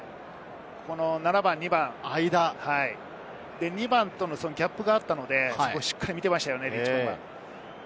７番と２番の間、２番とのギャップがあったので、しっかり見ていました。